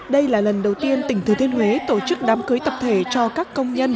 đây là lần đầu tiên tỉnh thừa thiên huế tổ chức đám cưới tập thể cho các công nhân